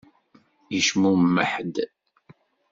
Yecmumeḥ-d.